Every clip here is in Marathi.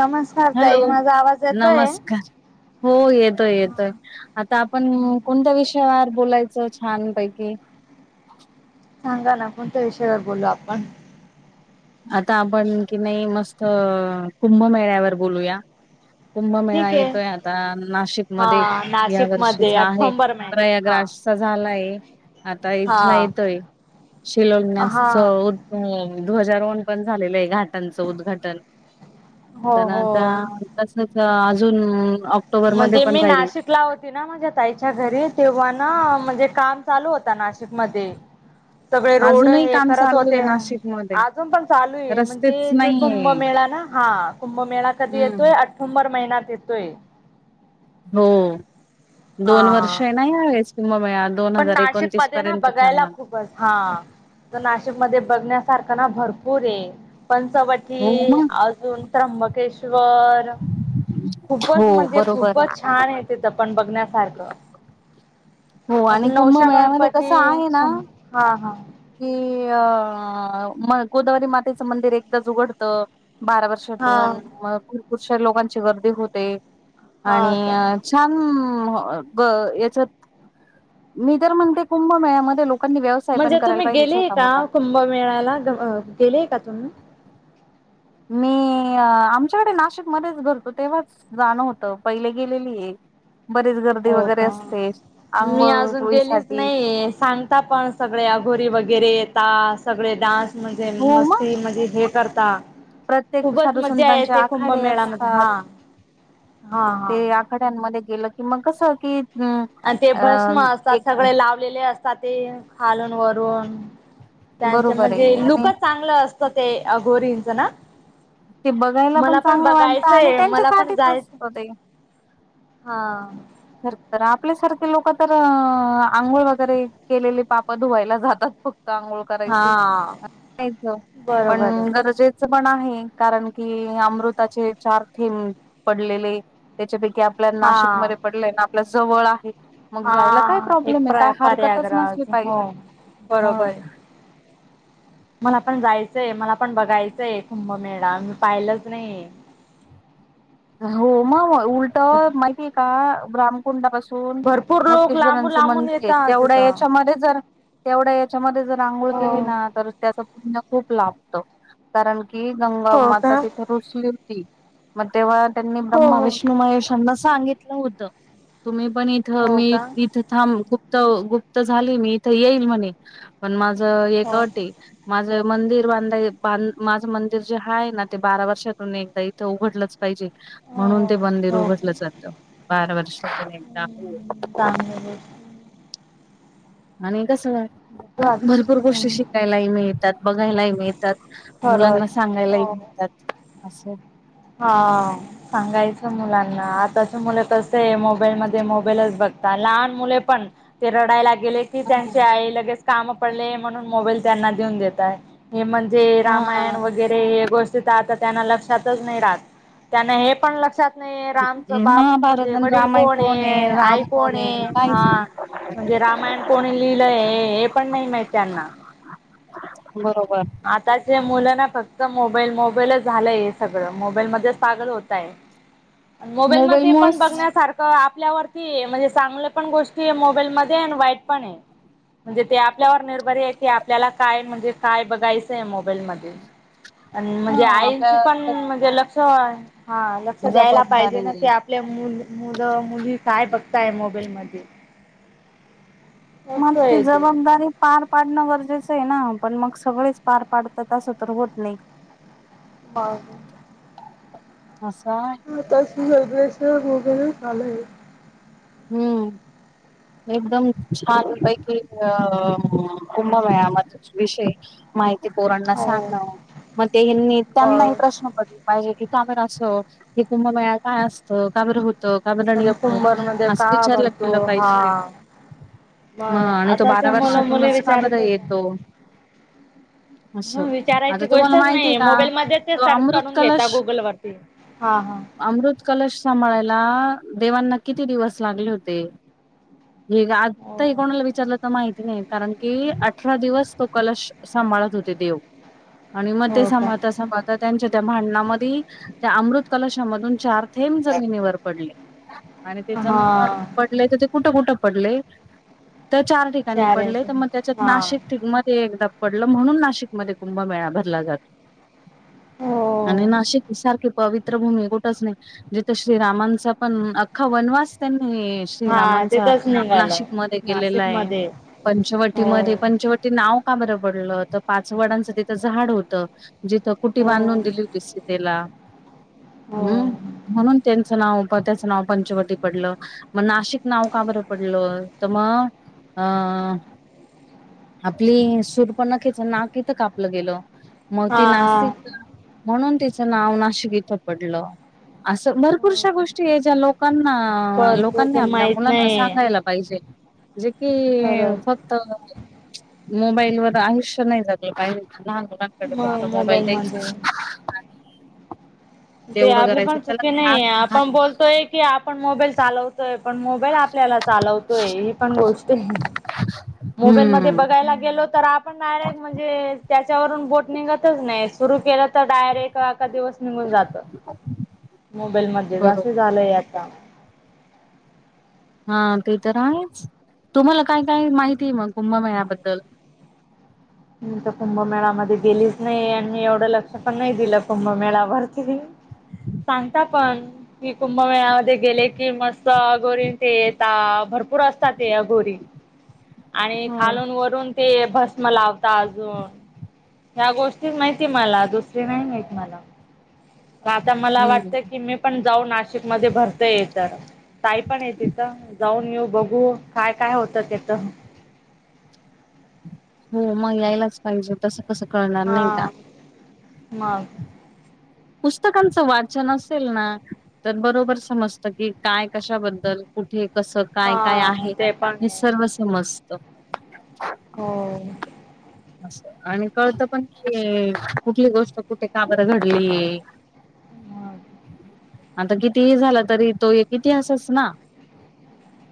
नमस्कार हॅलो ताई, माझा आवाज येतोय. नमस्कार हो येतोय येतोय, आता आपण कोणत्या विषयावर बोलायचं छान पैकी. सांगा ना कोणत्या विषयावर बोलू आपण? आता आपण की नाही मस्त अ कुंभमेळ्यावर बोलूया. कुंभमेळा ठीक आहे. येतोय आता नाशिक मध्ये, हा या नाशिक वर्षीच मध्ये आहे आठंबर महिना हा प्रयागराज. तुमचा झालाय आता इथला हा येतोय शिलोंगण्याच हा ध्वजारोहण पण झालेलय. त्यांचं उद्घाटन हो पण, हो आता तसच अजून ऑक्टोबरमध्ये मधी पण मी राहील नाशिकला होती ना माझ्या ताईच्या घरी, तेव्हा ना म्हणजे काम चालू होता नाशिकमध्ये. सगळे रोड अजूनही हे काम करत चालू होते आहे नाशिकमध्ये अजून पण चालू आहे रस्तेच म्हणजे, ते नाहीये. कुंभमेळा त्यांना हा कुंभमेळा कधी हम्म येतोय अठोंबर महिन्यात येतोय. हो दोन वर्ष हा येणा ह्या वेळेस कुंभमेळा. दोन पण हजार एकोणतीस नाशिकमध्ये ना पर्यंत बघायला चालणार. खूपच असतं हा नाशिकमध्ये बघण्यासारखा तिथं ना भरपूर ये हो पंचवटी मग अजून त्र्यंबके श्वर बरं हो खूपच म्हणजे बरोबर खूपच छान ये तिथं पण बघण्या सारखं हो आणि अजून नवश्या कुंभमेळ्यामध्ये कसं गणपती आहे ना हा हा कि अ म गोदावरी मातेचं मंदिर एकदाच उघडतं, बारा हा वर्षातून मग भरपूर साऱ्या लोकांची गर्दी होते. आणि हा का छान मग याच्यात, मी तर म्हणते कुंभमेळ्यामध्ये लोक नी आणि व्यवसाय पण करायला. पाहिजे गेलेय छोटा का मोठा. कुंभमेळ्याला अ गेलेय का तुम्ही? हम् मी आमच्याकडे नाशिक मध्येच भरतो, तेव्हाच जाण होत पहिली गेलेलीये. हो का, मी अजून गेलीच आंघोळीसाठी नाही ये सांगता पण सगळे अघोरी वगैरे येतात सगळे डान्स म्हणजे, हो मग मस्ती म्हणजे हे करतात. प्रत्येक खूपच साधू मज्जा संतांचे येते आखाडे कुंभमेळ्यामध्ये असतात हा हा हा ते आखाड्यांमध्ये गेलं की मग कस की, आणि ते अ भस्म असतात एक सगळे लावलेले असतात ते खालून वरून. त्यांच बरोबर म्हणजे आहे आणि लुकच चांगलं असतं ते अघोरींचं ना? ते बघायला मला पण चांगलं वाटतं आणि बघायचंय, मला पण त्यांच्यासाठीच जायचं. असतं हा खरतरं आपल्यासारखे लोक तर अ आंघोळ वगैरे केलेले पाप धुवायला जातात फक्त आंघोळ करायचे हा पण बरोबर आहे गरजेचं पण आहे. कारण की अमृताचे चार थेंब पडलेले त्याच्यापै की आपल्या हा नाशिकमध्ये पडलंय ना आपल्या जवळ आहे. मग हा जायला काय एक प्रॉब्लेम आहे प्र काय हरकतच नसली प्रयागराज हो पाहिजे म्हणून बरोबर मला पण जायचंय, मला पण बघायचंय, कुंभमेळा मी पाहिलंच नाही. हो मग उलटं माहितीये का रामकुंडापासून भरपूर लोक लांबून मोटकेश्वरांचं लांबून मंदिर आहे येतात तेवढ्या तिथं. याच्यामध्ये जर तेवढ्या याच्यामध्ये जर आंघोळ हो केली ना तर त्याच पुण्य खूप लाभतं कारण कि गंगा हो का माता तिथे रुसली होती मग तेव्हा त्यांनी हो ब्रह्मा हो. विष्णू महेशांना सांगितलं होत तुम्ही पण इथ हो मी का इथ थांब इथं गुप्त झाली मी तर येईल म्हणे पण माझं एक हो अट हे माझं मंदिर बांधाय बांध माझं मंदिर जे हा आहे ना ते बारा वर्षातून एकदा इथं उघडलंच पाहिजे म्हणून हो ते मंदिर उघडलं जातं बाराव कामवर आणि कसं बर भरपूर गोष्टी शिकायलाही मिळतात, बघायलाही मिळतात, मुलांना खरंच सांगायलाही हो. मिळतात. असे हा सांगायचं मुलांना आताच मुलं तर मोबाईल मध्ये मोबाईलच बघता लहान मुले पण ते रडायला ला गले की त्यांची आई लगेच काम पडले म्हणून मोबाईल त्यांना देऊन देताय. हे म्हणजे हा रामायण वगैरे हे गोष्टी तर आता त्यांना लक्षातच नाही राहत त्यांना हे पण लक्षात नाही रामचं बाप महाभारत म्हणजे आणि वडील रामायण कोण आहे? राम आई कोण आहे? काहीच हा नाही. म्हणजे रामायण कोणी लिहिलंय? हे पण नाही माहित त्यांना बरोबर मुलांना फक्त मोबाईल मोबाईलच झालाय हे सगळं मोबाईल मध्येच पागल होतय मोबाईल मध्ये पण बघण्यासारखं आप ल्यावरती म्हणजे चांगलं पण गोष्टी आहे मोबाईल मध्ये आणि वाईट पण आहे. म्हणजे ते आपल्यावर निर्भरी आहे की आपल्याला काय म्हणजे काय बघ. घायच आहे मोबाईल मध्ये आणि हा म्हणजे आईंची आपल्या पण म्हणजे लक्ष हा लक्ष द्यायला पाहिजे जबाबदारी ना की आपल्या मु मुलं मुली काय बघताय? मोबाईल मध्ये मग ती जबाबदारी पार पाड णं गरजेचं आहे ना पण मग सगळेच पार पाडतात असं तर होत नाही बर बर असा आता वगेश वगैर झालेय हम्म एकदम छान पैकी अ कुंभमेळ्यामधला विषय माहिती पोरांना हो सांगण मग ते त्यांनाही प्रश्न पडले पाहिजे. की का बरं असं की कुंभमेळा काय असतं? का बरं होतं? का बरं नाही म्हणजे होत? कुंभार मध्ये का विचारलं भरतो केलं पाहिजे. हा ह मग आणि तो बारा आताच्या मुलं मुली वर्षातूनच का बरं विचारत आहे येतो? ह असं आता विचारायची तुम्हांला गोष्टच माहितीय नाही का? मोबाईल मध्ये ते तो सर्च अमृत करून कलश घेता गुगल वरती हा हा अमृत कलश सांभाळयला देवांना किती दिवस लागले होते? हे हो आता हे कोणाला विचारलं तर माहिती नाही कारण की अठरा दिवस तो कलश सांभाळत होते देव आणि मग ते हो का सभता सभता त्यांच्या त्या भांडणा म त्या अमृत कलशामधुन चार थेंब जमिनीवर पडले आणि ते ज हा पडले तर ते कुठं कुठं पडले त्या चार ठिकाणी चालेल पडले तर मग त्याच्यात हा नाशिक मध्ये एकदा पडलं म्हणून नाशिकमध्ये कुंभमेळा भरला जातो हो आणि नाशिक सारखे पवित्र भूमी कुठच नाही जिथे श्रीरामांचा पण अख्खा वनवास हे हा श्रीरामांचा तिथंच निघालं नाशिक मध्ये गेलेला नाशिक आहे मध्ये हो पंचवटीमध्ये पंचवटी नाव का बरब पडलं तर पाच वडांचं तिथं झाड होतं जिथं कुटी हो बांधून दिली होती सीतेला हो हम्म म्हणून त्यांचं नावप त्याचं नाव पंचवटी पडलं मग नाशिक नाव का बरं पडलं तर मग अ आपली सूर पण न ख्याच नाक इथं कापलं गेल मग ती हा नाशिक म्हणून तिचं नाव नाशिक इथं पडलं असं भरपूरश्या गोष्टी आहे ज्या लोकांना ना भरपूर लोकांनी तर आपल्या माहित मुलांना नाही सांगायला पाहिजे जे कि खरंच फक्त मोबाईल वर आयुष्य नाही झाातलं पाही लह मुलांकडे म फक्त मोबाईल द्यायच मध्ये ते आपली पण त्याला चुकी काही नाही अर्थ आपण नाही. बोलतोय की आपण मोबाईल चालवतोय पण मोबाईल आपल्याला चालवतोय ही पण गोष्ट आहे मोबाईल म हम्म बघायला गेलो तर आप आहे म्हणजे त्याच्यावरून बोट निघतच नाही सुरू के आता डायरे ए एका दिवस निघून जात मोबाईल मध्यें बरोबर. झालंय आता हा ते तर आहे तुम्हाला काय काय माहितीय मग कुंभमे याबद्दल दल मी तर कुंभमेळामध्येध्ये गेलीच नाही आणि एवढं लक्ष पण नाही दिलं कुंभमेळावर किती सांगता पण की कुंभमेळमध्ये गेले की मस्त गोरी ते येत भरपूर असतात ते अ गोरी आणि हो. खालून वरून ते भस्म लाव या गोष्टी माहितीय मला दुसरी नाही माहती मला आता मला हम्म वाटतं की मी पण जाऊ नाशिक मध्ये भरता ये तर ताई पण य तिथं जाऊन येऊ बघू काय काय होतं त्याथ हो मग यायलाच पाहिजे तस कसं कळणार नाही का हा मग पुस्तकांचं वाचन असेल ना तर बरोबर समजत की काय कशाबद्दल कुठे कसं काय काय हा आहे ते पण हे आहे सर्व समजत हो असं आणि कळत पण कि कुठली गोष्ट कुठे काबर घडली मग [inaudible] आता किती हे झाला तरी तो एक इतिहासच ना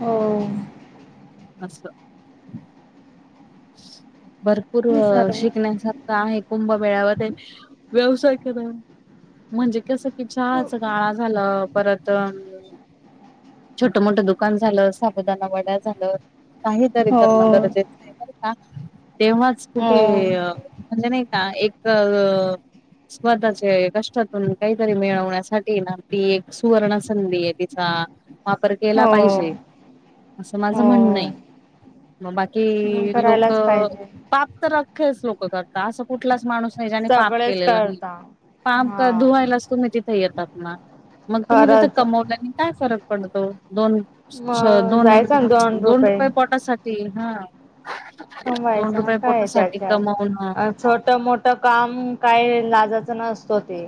हो असं भरपूर हे सर्व शिकण्यासारखं आहे कुंभ मेळावा व्यवसाय करा म्हणजे कस कि हो छहाच गाळा झालं परत अ छोट मोठं दुकान झालं साबुदाणा वड्या झालं काहीतरी तर म गरजेत का तेव्हाच कुठे हो म्हणजे नाही हा एक अ स्वतःचे कष्टातून काहीतरी मिळवण्यासाठी ना आपली एक सुवर्ण संधी आहे तिचा हां वापर केला हो पाहिजे असं माझं म्हणणंय हो मग मग बाकी लोक करायलाच पाहिजे पाप तर अखखेच लोक करताात असं कुठलाच माणूस ने पाप सगळेच केलेलं म करता पाप हा धुवायलाच तुम्ही तिथ येतात ना मग तुम्ही तिथं खरंच कमवल्याने काय फरक पडतो दोन मग दोन जायचा ना दोन रुपये पोटासाठी हा दोन रुपये कमवायचे पोटासाठी त्याच्यात कमवणं मग काय छोटं मोठं काम काय लाजायचं नसतं ते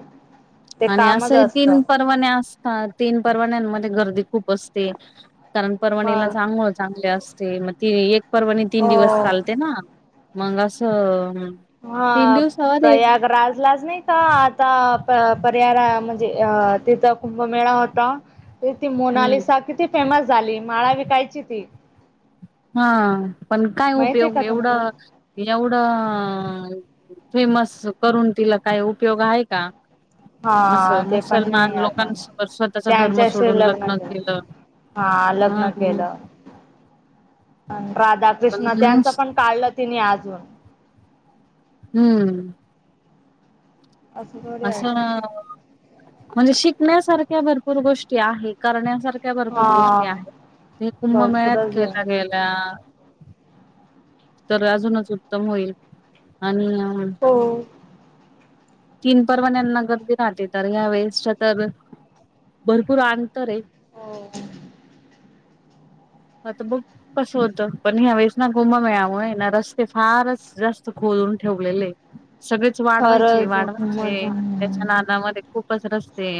ते आणि कामच असंही असत तीन परवान असतात तीन परवान्यांमध्ये गर्दी खूप असते कारण परवाणीला मग चांगळ चांगले असते मग ती एक परवाणी तीन हो दिवस चालते ना मंग असं तीन हा दिवसावर एक प्रयाग राजलाच नाही का आता त्यारा म्हणजे अ तिथ कुंभमेळा होता ती हम्म मोनालीसा किती फेमस झाली माळा विकायची ती हा पण काय माहित आहे उपयोग का तुम्हाला एवढं एवढं फेमस करून तिला काय उपयोग आहे का हा असं ते पण नाही मुसलमान आता लोकां स्वतःचा धर्म सोडून लग्न केलं हा लग्न केलं [inaudible] राधा कृष्ण पण त्यांचं पण काढलं तिने अजून हम्म असं थोडी असं असत म्हणजे शिकण्यासारख्या भरपूर गोष्टी आहे करण्यासारखे आपण आहेत ्या भरपूर गोष्टी हा आहेत ते कुंभमेळ्यात भरपूरच आहे केल्या गेल्या तर अजूनच उत्तम होईल आणि हो तीन परवान्यांना गर्दी राहते तर यावेेळेस तर भरपूर आण हो हा तर ब कसो होत पण वेचना गुम म आय ना रस्ते फारच जास्त खू ठेवले सगळेच वाढवायचे खरंच वाढवायचे खूपच त्याच्या नादामध्ये खूप खूपच रस्ते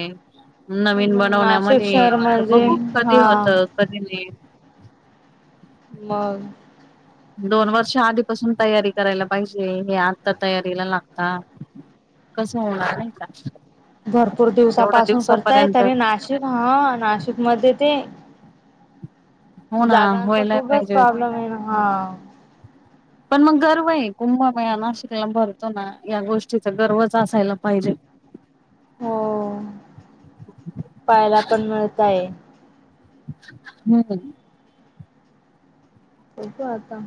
नवीन नाशिक बनवण्यामध्ये शहर आ म्हणजे बघू कधी हा होत कधी नाही मग दोन वर्ष आधीपासून तयारी करायला पाहिजे हे आता तयारीला लागता कसं होणार नाही का भरपूर तेवढ्या दिवसापासून करताय दिवसापर्यंत तरी नाशिक हा नाशिक मध्ये ते हो ना जागांचा व्हायला खूपच पाहिजे प्रॉब्लेम आहे ना हा पण मग गर्व आहे कुंभमेळा नाशिकला भरतो ना या गोष्टीचा गर्वच असायला पाहिजे हो पाहायला पण मिळतय हम्म होप आता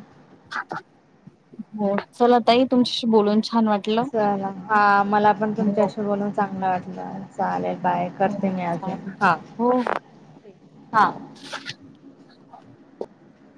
हो चला ताई तुमच्याशी बोलून छान वाटलं चला हा मला पण हो तुमच्याशी बोलून चांगलं वाटलं चालेल बाय हो करते मी अजून चालेल. हा हो. हो. हा [inaudible]